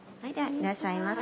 いらっしゃいませ。